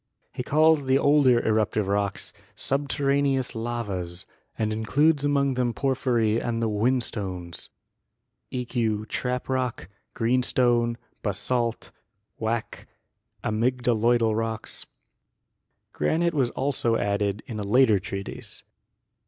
He calls the older eruptive rocks "subterraneous lavas" and includes among them porphyry and the whinstones (eq. trap rock, green stone, basalt, wacke, amygdaloidal rocks). Granite was also added in a later treatise.